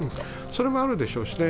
それもあるでしょうね。